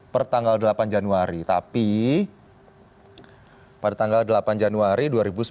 pertanggal delapan januari tapi pada tanggal delapan januari dua ribu sembilan belas